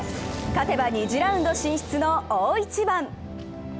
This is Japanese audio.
勝てば２次ラウンド進出の大一番。